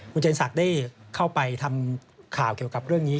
คุณเจนศักดิ์ได้เข้าไปทำข่าวเกี่ยวกับเรื่องนี้